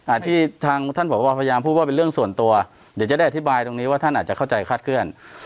ที่ทางท่านบอกว่าพยายามพูดว่าเป็นเรื่องส่วนตัวเดี๋ยวจะได้อธิบายตรงนี้ว่าท่านอาจจะเข้าใจคาดเคลื่อน